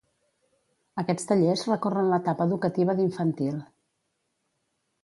Aquests tallers recorren l'etapa educativa d'infantil.